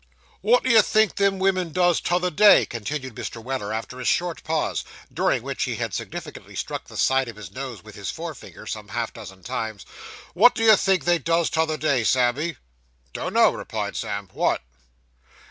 'What do you think them women does t'other day,' continued Mr. Weller, after a short pause, during which he had significantly struck the side of his nose with his forefinger some half dozen times. 'What do you think they does, t'other day, Sammy?' 'Don't know,' replied Sam, 'what?